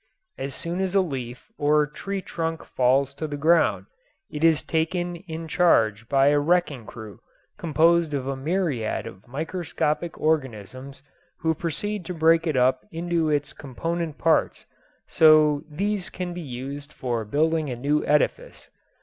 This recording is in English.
As soon as a leaf or tree trunk falls to the ground it is taken in charge by a wrecking crew composed of a myriad of microscopic organisms who proceed to break it up into its component parts so these can be used for building a new edifice.